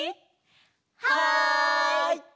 はい！